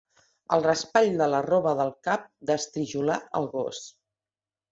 El raspall de la roba, del cap, d'estrijolar el gos.